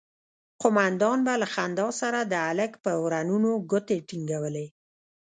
قومندان به له خندا سره د هلک پر ورنونو گوتې ټينگولې.